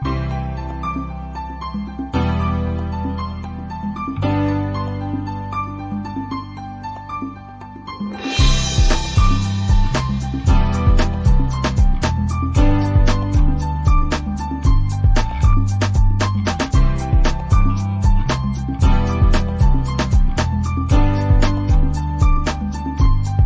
โปรดติดตามตอนต่อไป